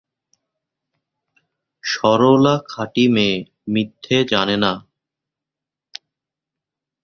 সরলা খাঁটি মেয়ে, মিথ্যে জানে না।